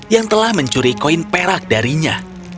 yang telah mencuri koin perak darinya